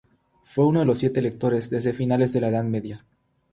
Fue uno de los siete electores desde finales de la Edad Media.